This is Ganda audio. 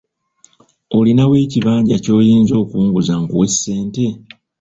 Olinawo ekibanja ky'oyinza okunguza nkuwe ssente?